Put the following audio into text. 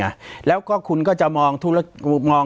ปากกับภาคภูมิ